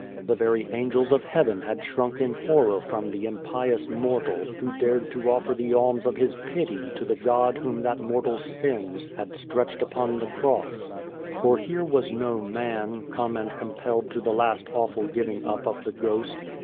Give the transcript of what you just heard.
The very angels of heaven had shrunk in horror from the impious 142 Beyond the Door mortal who dared to offer the alms of his pity to the God whom that mortal's sins had stretched upon the cross. For here was no man, come and compelled to the last awful giving up of the ghost.